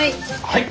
はい。